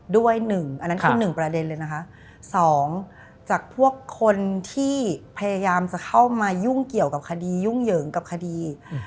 หนึ่งอันนั้นคือหนึ่งประเด็นเลยนะคะสองจากพวกคนที่พยายามจะเข้ามายุ่งเกี่ยวกับคดียุ่งเหยิงกับคดี